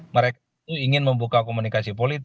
mereka itu ingin membuka komunikasi